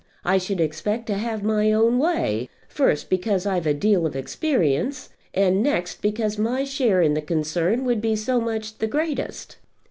I should expect to have my own way, first because I've a deal of experience, and next because my share in the concern would be so much the greatest."